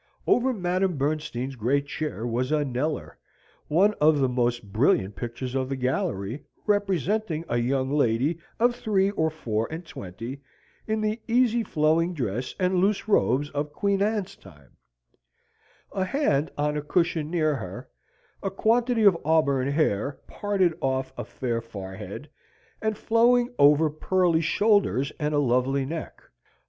Over Madam Bernstein's great chair was a Kneller, one of the most brilliant pictures of the gallery, representing a young lady of three or four and twenty, in the easy flowing dress and loose robes of Queen Anne's time a hand on a cushion near her, a quantity of auburn hair parted off a fair forehead, and flowing over pearly shoulders and a lovely neck.